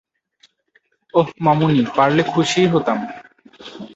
ওহ, মামুনি, পারলে খুশিই হতাম।